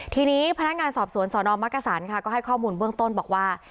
ทีนี้พนักงานสอบสวนสนมักกษันค่ะก็ให้ข้อมูลเบื้องต้นบอกว่า